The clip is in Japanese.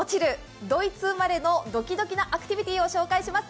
ドイツ生まれのドキドキアクティビティーを紹介します。